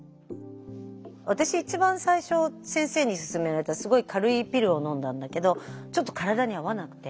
私一番最初先生に勧められたすごい軽いピルをのんだんだけどちょっと体に合わなくて。